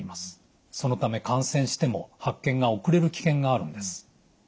そのため感染しても発見が遅れる危険があるんです。